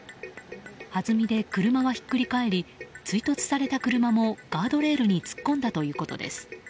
はずみで車はひっくり返り追突された車もガードレールに突っ込んだということです。